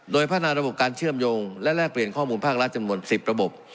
โดยพัฒนาระบบการเชื่อมโยงและแลกเปลี่ยนข้อมูลภาครัฐจำนวน๑๐ระบบ